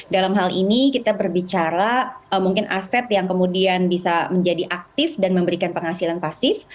dalam hal ini kita berbicara mungkin aset yang kemudian bisa menjadi aktif dan memberikan penghasilan pasif